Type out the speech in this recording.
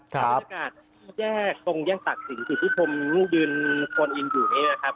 ถ้าเกิดแยกตรงแย่งตักสินที่ผมยืนคนอินอยู่นี่นะครับ